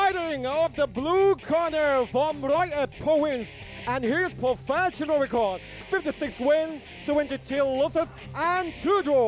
ต้นจากอำเภอศักดิ์ศิษฐ์